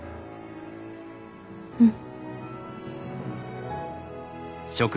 うん。